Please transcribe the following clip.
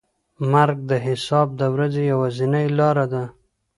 مرګ د حساب د ورځې یوازینۍ لاره ده.